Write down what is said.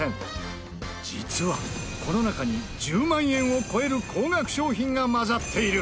実はこの中に１０万円を超える高額商品が混ざっている。